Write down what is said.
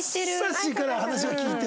さっしーから話を聞いて。